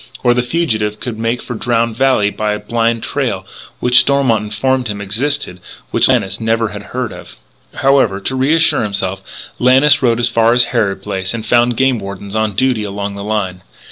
Or, the fugitive could make for Drowned Valley by a blind trail which, Stormont informed him, existed but which Lannis never had heard of. However, to reassure himself, Lannis rode as far as Harrod Place, and found game wardens on duty along the line.